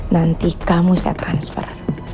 nanti kamu saya transfer